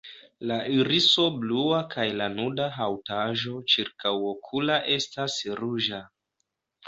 La iriso blua kaj la nuda haŭtaĵo ĉirkaŭokula estas ruĝa.